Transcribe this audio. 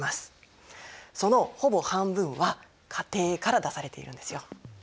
そのほぼ半分は家庭から出されているんですよ。